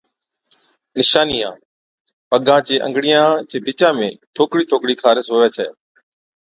نِشانِيان، پگان چي انگڙِيان چي بِچا ۾ ٿوڪڙِي ٿوڪڙِي خارس هُوَي ڇَي۔